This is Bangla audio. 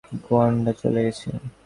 ওয়ান্ডা চলে গেছে।